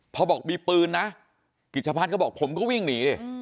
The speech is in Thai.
พอบอกมีปืนนะกิจพัฒน์ก็บอกผมก็วิ่งหนีดิ